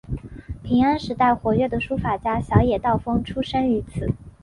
平安时代活跃的书法家小野道风出身于此。